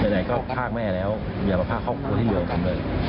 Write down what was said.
ไหนก็พากแม่แล้วอย่างแบบประพโคคกลที่เหลือผมเลย